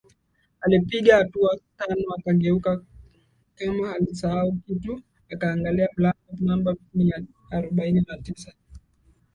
Alipiga hatua tano akageuka kama alisahau kitu akaangalia mlango namba mia arobaini na tisa